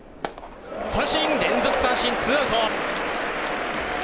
連続三振、ツーアウト。